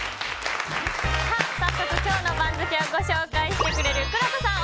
早速今日の番付をご紹介してくれるくろうとさん